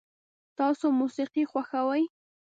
تاسو موسیقي خوښوئ؟